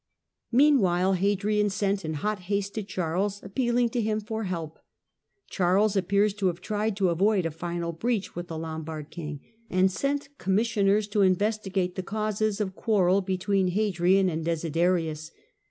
Meanwhile Hadrian sent in hot haste to Charles, appealing to him for help. Charles appears to have tried to avoid a final breach with the Lombard king, and sent commissioners to investigate the causes of quarrel between Hadrian and Desiderius.